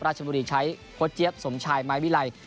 ราชบุรีใช้โพสเจี๊ยบสมชายมายวิไร